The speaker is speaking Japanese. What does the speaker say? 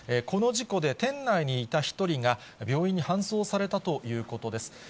この事故で、店内にいた１人が病院に搬送されたということです。